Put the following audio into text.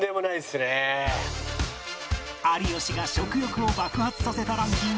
有吉が食欲を爆発させたランキング